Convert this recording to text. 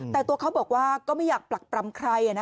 แต่ตัวเขาบอกว่าก็ไม่อยากปรักปรำใคร